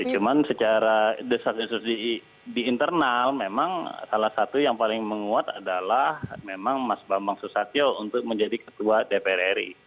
cuma secara desas instruksi di internal memang salah satu yang paling menguat adalah memang mas bambang susatyo untuk menjadi ketua dpr ri